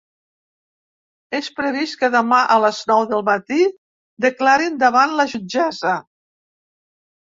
És previst que demà a les nou del matí declarin davant la jutgessa.